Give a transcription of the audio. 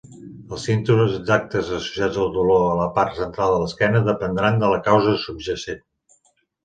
Els símptomes exactes associats el dolor a la part central de l'esquena dependran de la causa subjacent.